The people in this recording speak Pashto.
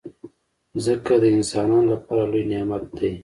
مځکه د انسانانو لپاره لوی نعمت دی.